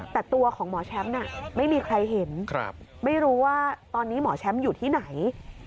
แต่ตัวของหมอแชมป์ไม่มีใครเห็นไม่รู้ว่าตอนนี้หมอแชมป์อยู่ที่ไหน